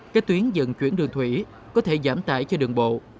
các tuyến dẫn chuyển đường thủy có thể giảm tải cho đường bộ